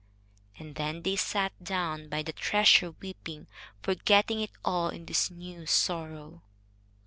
And then they sat down by the treasure weeping, forgetting it all in this new sorrow.